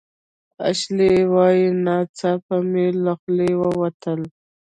اشلي وايي "ناڅاپه مې له خولې ووتل